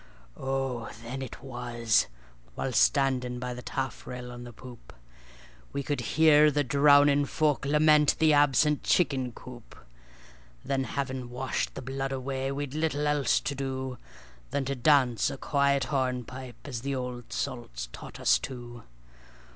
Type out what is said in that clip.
O! then it was (while standing by the taffrail on the poop) We could hear the drowning folk lament the absent chicken coop; Then, having washed the blood away, we'd little else to do Than to dance a quiet hornpipe as the old salts taught us to.